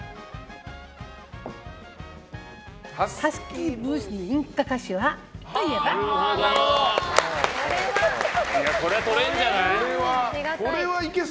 ハスキーボイスの演歌歌手といえば？